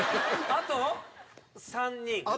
あと３人。